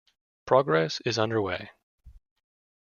Progress is under way.